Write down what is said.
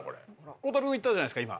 孝太郎君言ったじゃないですか